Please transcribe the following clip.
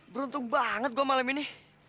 beruntung banget gue malam ini